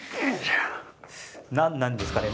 何なんですかね？